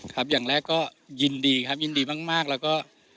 อย่างแรกก็ยินดีครับยินดีมากแล้วก็